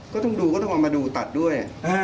ก็ต้องดูก็ต้องเอามาดูตัดด้วย